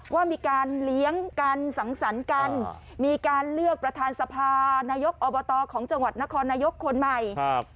ว่ามีการเลี้ยงกันสังสรรค์กันมีการเลือกประธานสภานายกอบตของจังหวัดนครนายกคนใหม่ครับ